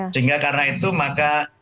sehingga karena itu maka